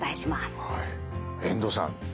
遠藤さん